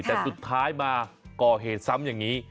แต่สุดท้ายมาก่อเหตุซ้ำอย่างนี้